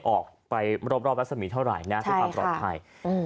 ออกไปรอบวัฒนธรรมีเท่าไหร่น่าจะประวัติภัย